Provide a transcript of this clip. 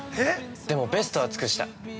でも、ベストは尽くした。